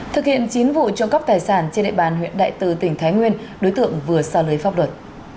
thực hiện chín vụ trộm cắp tài sản trên địa bàn huyện đại từ tỉnh thái nguyên đối tượng vừa xa lưới pháp luật